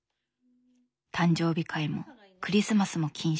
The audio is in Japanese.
誕生日会もクリスマスも禁止。